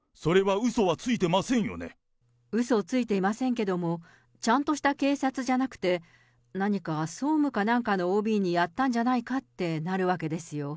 でも、うそついてませんけども、ちゃんとした警察じゃなくて、何か、総務かなんかのＯＢにやったんじゃないかってなるわけですよ。